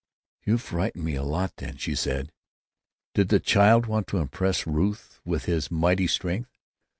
"You frightened me a lot, then," she said. "Did the child want to impress Ruth with his mighty strength?